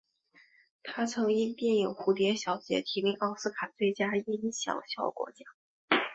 他曾因电影蝴蝶小姐提名奥斯卡最佳音响效果奖。